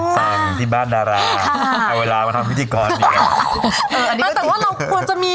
คุณซูอาอยากทำให้สามี